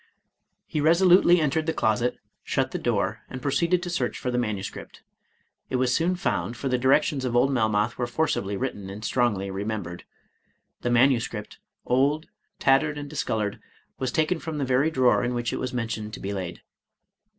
He resolutely entered the closet, shut the door, and pro ceeded to search for the manuscript. It was soon found, for the directions of old Melmoth were forcibly written,, and strongly remembered. The manuscript, old, tattered, and discolored, was taken from the very drawer in which it was mentioned to be laid.